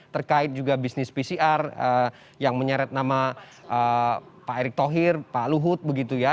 terkait juga bisnis pcr yang menyeret nama pak erick thohir pak luhut begitu ya